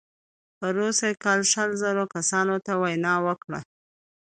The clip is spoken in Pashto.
پروسږ کال شل زره کسانو ته وینا وکړه.